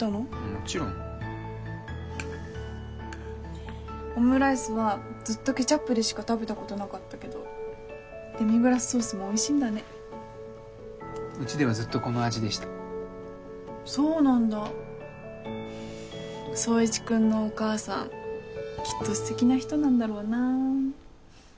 もちろんオムライスはずっとケチャップでしか食べたことなかったけどデミグラスソースもおいしいんだねうちではずっとこの味でしたそうなんだ宗一君のお母さんきっとステキな人なんだろうなあ